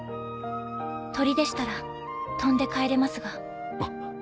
鳥でしたら飛んで帰れますが。